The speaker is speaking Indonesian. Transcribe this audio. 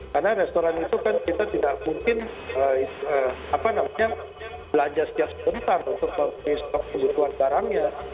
karena restoran itu kan kita tidak mungkin apa namanya belanja setias bentar untuk memiliki stok kebutuhan barangnya